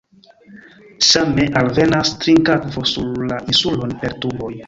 Same alvenas trinkakvo sur la insulon per tuboj.